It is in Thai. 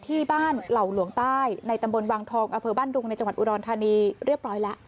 ที่บ้านเหล่าหลวงใต้ในตำบลวังทองอำเภอบ้านดุงในจังหวัดอุดรธานีเรียบร้อยแล้ว